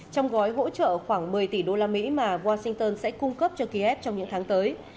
trong gói hỗ trợ khoảng một mươi tỷ usd mà washington sẽ cung cấp cho kiev trong những tháng tới